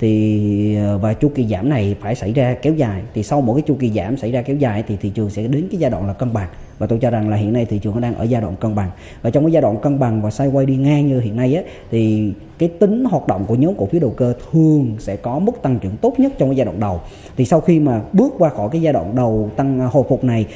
tốt nhất trong giai đoạn đầu thì sau khi mà bước qua khỏi cái giai đoạn đầu tăng hồi phục này